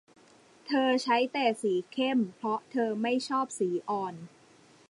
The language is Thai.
เธอใช้แต่สีเข้มเพราะเธอไม่ชอบสีอ่อน